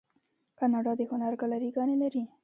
کاناډا د هنر ګالري ګانې لري.